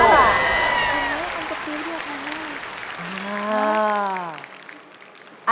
อ่า